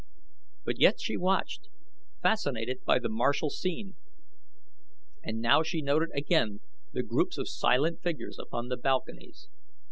But yet she watched, fascinated by the martial scene, and now she noted again the groups of silent figures upon the balconies.